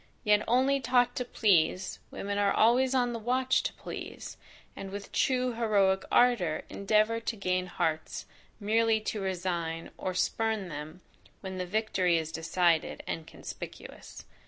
Yet only taught to please, women are always on the watch to please, and with true heroic ardour endeavour to gain hearts merely to resign, or spurn them, when the victory is decided, and conspicuous.